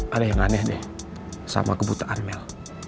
ada yang aneh deh sama kebutaan mel